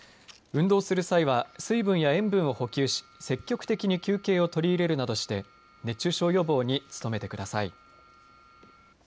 運動する際は水分や塩分を補給し積極的に休憩を取り入れるなどして熱中症予防に努めてください。